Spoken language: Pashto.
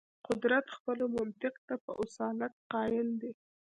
قدرت خپلو منطق ته په اصالت قایل دی.